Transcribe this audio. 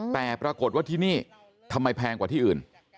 แต่ปรากฏว่าที่นี่ทำไมแพงกว่าที่อื่น